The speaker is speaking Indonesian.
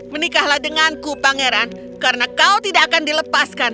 menikahlah denganku pangeran karena kau tidak akan dilepaskan